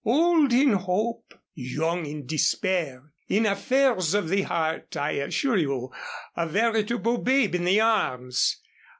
Old in hope, young in despair in affairs of the heart, I assure you, a veritable babe in the arms.